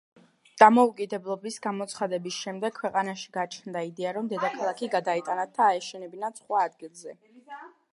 დამოუკიდებლობის გამოცხადების შემდეგ ქვეყანაში გაჩნდა იდეა, რომ დედაქალაქი გადაეტანათ და აეშენებინათ სხვა ადგილზე.